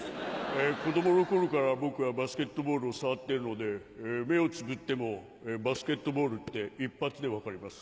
子供の頃から僕はバスケットボールを触っているので目をつぶってもバスケットボールって一発で分かります。